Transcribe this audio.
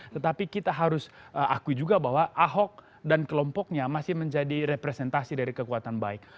tetapi kita harus akui juga bahwa ahok dan kelompoknya masih menjadi representasi dari kekuatan baik